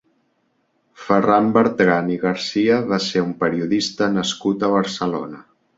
Ferran Bertran i Garcia va ser un periodista nascut a Barcelona.